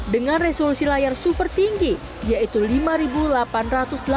dengan resolusi layar super tinggi yaitu lima ribu delapan ratus delapan puluh x seribu tujuh ratus tujuh puluh piksel